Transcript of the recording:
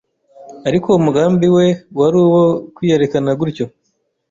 Ariko umugambi we wari uwo kwiyerekana gutyo,